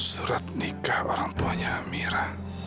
surat nikah orang tuanya mira